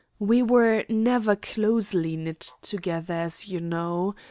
We were never closely knit together, as you know.